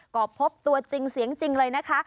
ก็พบตัวจริงเสียงจริงเลยนะคะ